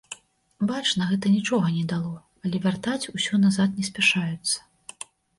Бачна, гэта нічога не дало, але вяртаць усё назад не спяшаюцца.